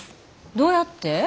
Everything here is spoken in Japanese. どうやって？